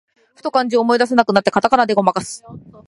ふと漢字を思い出せなくなって、カタカナでごまかす